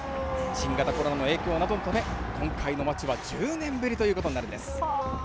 新型コロナの影響などのため、今回の祭りは１０年ぶりということになるんです。